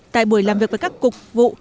tại buổi làm việc với các cục vụ